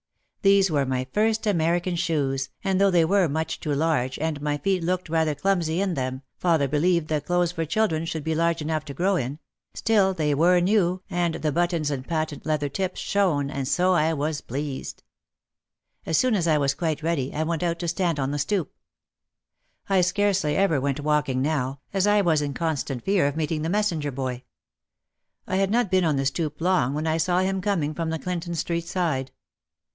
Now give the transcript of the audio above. These were my first American shoes and though they were much too large and my feet looked rather clumsy in them, — father believed that clothes for children should be large enough to grow in, — still they were new and the buttons and patent leather tips shone and so I was pleased. As soon as I was quite ready I went out to stand on the stoop. I scarcely ever went walking now, as I was in constant fear of meeting the messenger boy. I had not been on the stoop long when I saw him coming from the Clinton Street side.